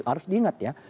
harus diingat ya